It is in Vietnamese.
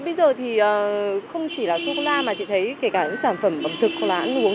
bây giờ thì không chỉ là sô cô la mà chị thấy kể cả những sản phẩm bẩm thực lãn uống